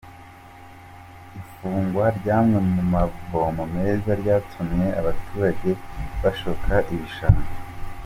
Ifungwa ry’amwe mu mavomo meza ryatumye abaturage bashoka ibishanga